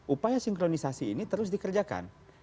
upaya sinkronisasi ini terus dikerjakan